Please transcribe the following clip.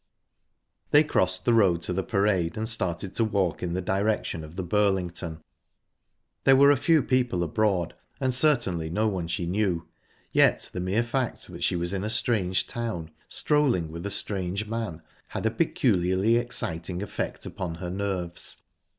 They crossed the road to the Parade, and started to walk in the direction of the Burlington. There were a few people abroad, and certainly no one she knew, yet the mere fact that she was in a strange town, strolling with a strange man, had a peculiarly exciting effect upon her nerves.